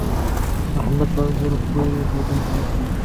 احمد په انګورو پورې ډوډۍ خوري.